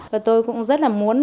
và tôi cũng rất là muốn